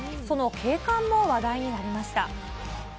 その景観も話題になりました。